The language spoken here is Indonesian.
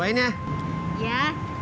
aku gak percaya